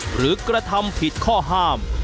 กระทำผิดข้อห้าม